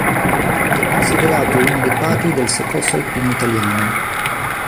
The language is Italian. È considerato uno dei padri del Soccorso alpino italiano.